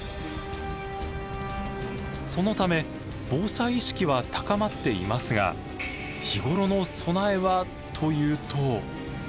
そのため防災意識は高まっていますが日頃の備えはというと。